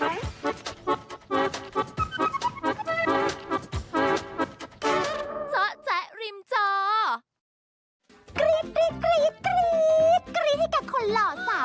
แม่มันแน่นอนจริงที่อาจมีเรียเป็นแฟนคลับโน่นึงแล้ว